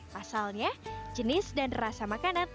pasalnya jenis dan rasa makanan tak lewat